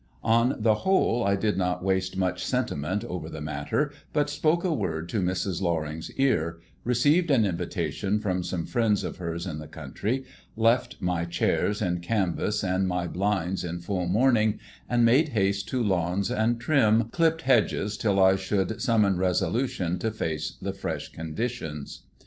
On the whole, I did not waste much sentiment over the matter, but spoke a word in Mrs. Loring's ear, received an invitation from some friends of hers in the country, left my chairs in canvas and my blinds in full mourning, and made haste to lawns and trim, clipped hedges till I should summon resolution to face the fresh conditions.